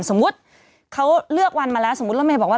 สมมุติเขาเลือกวันมาแล้วสมมุติรถเมย์บอกว่า